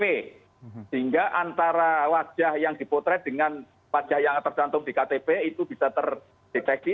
sehingga antara wajah yang dipotret dengan wajah yang tercantum di ktp itu bisa terdeteksi